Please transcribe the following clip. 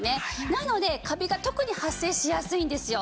なのでカビが特に発生しやすいんですよ。